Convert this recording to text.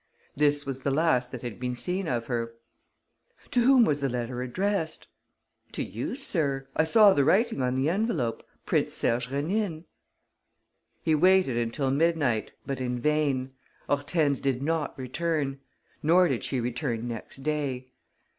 This was the last that had been seen of her. "To whom was the letter addressed?" "To you, sir. I saw the writing on the envelope: Prince Serge Rénine." He waited until midnight, but in vain. Hortense did not return; nor did she return next day.